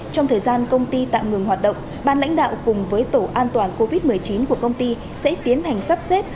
trong thời gian công ty tạm ngừng hoạt động ban lãnh đạo cùng với tổ an toàn covid một mươi chín của công ty sẽ tiến hành sắp xếp